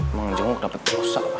emang ngejogok dapet terus apa